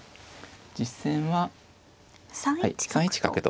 実戦は３一角と。